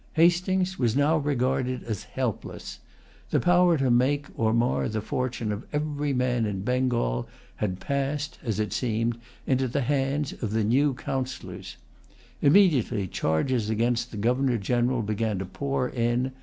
Hastings was now regarded as helpless. The power to make or[Pg 150] mar the fortune of every man in Bengal had passed, as it seemed, into the hands of the new Councillors. Immediately charges against the Governor General began to pour in.